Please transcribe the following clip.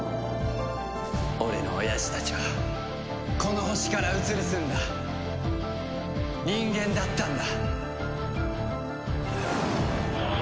俺のおやじたちはこの星から移り住んだ人間だったんだ！